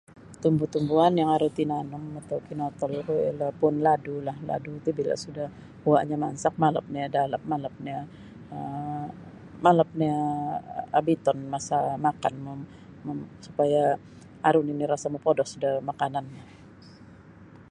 Tumbu-tumbuan yang aru tinanum atau kinotolku ialah puun ladulah ladu ti bila sudah uwanyo mansak malap nio da alap malap nio um malap nio obiton masa makan momo supaya aru nio rasa mopodos da makanannyo.